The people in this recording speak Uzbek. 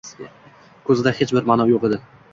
Ko‘zida hech bir ma’no yo‘q edi